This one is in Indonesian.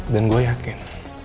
dan gue yakin